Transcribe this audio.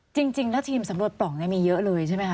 จริงแล้วทีมสำรวจปล่องมีเยอะเลยใช่ไหมคะ